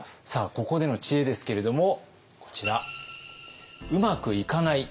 ここでの知恵ですけれどもこちら。